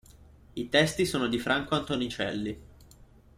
I testi sono di Franco Antonicelli.